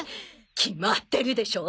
決まってるでしょ